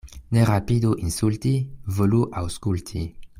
Ne rapidu insulti, volu aŭskulti.